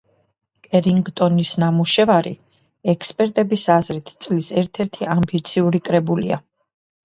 კერინგტონის ნამუშევარი ექსპერტების აზრით, წლის ერთ-ერთი ამბიციური კრებულია.